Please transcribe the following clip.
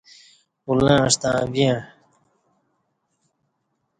اولݩع ستݩع ویݩع ۔